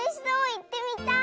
いってみたい！